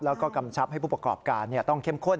แล้วก็กำชับให้ผู้ประกอบการต้องเข้มข้น